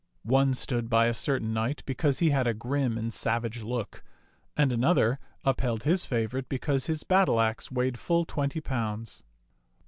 One stood by a certain knight because he had a grim and savage look, and another upheld his favorite be cause his battle axe weighed full twenty pounds.